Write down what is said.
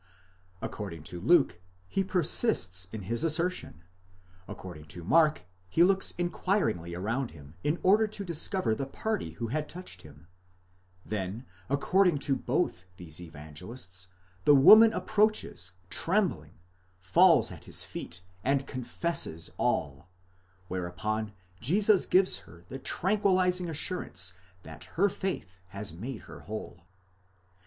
According to Luke, he persists in his assertion; according to Mark, he looks inquiringly around him in order to discover the party who had touched him : then, according to both these Evangelists, the woman approaches trembling, falls at His feet and confesses all, whereupon Jesus gives her the tranquillizing assurance that her faith has made her whole.